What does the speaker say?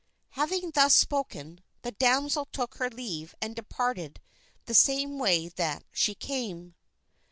Having thus spoken, the damsel took her leave and departed the same way that she came.